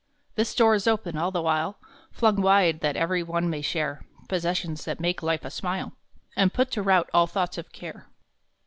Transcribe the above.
This door is open all the while, Flung wide that every one may share Possessions that make life a smile, And put to rout all thoughts of care.